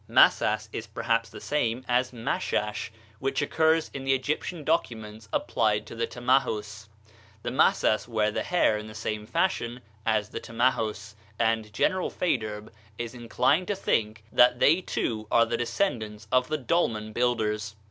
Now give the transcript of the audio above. Masas is perhaps the same as Mashash, which occurs in the Egyptian documents applied to the Tamahus. The Masas wear the hair in the same fashion as the Tamahus, and General Faidherbe is inclined to think that they too are the descendants of the dolmen builders.